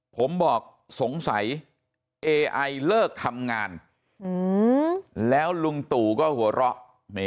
ผมบอกสงสัยเอไอเลิกทำงานแล้วลุงตู่ก็หัวเราะ